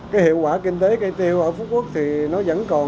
cái hiệu quả kinh tế cây tiêu ở phú quốc thì nó vẫn còn